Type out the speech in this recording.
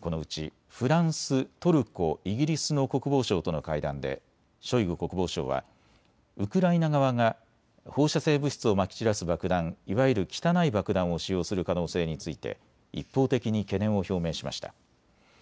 このうちフランス、トルコ、イギリスの国防相との会談でショイグ国防相はウクライナ側が放射性物質をまき散らす爆弾、いわゆる汚い爆弾を使用する可能性について一方的に懸念を表明しました。